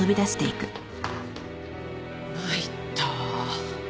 参ったわ。